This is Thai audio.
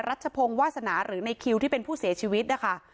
รัชพงค์วาสนาที่เป็นผู้เสียชีวิตนะคะ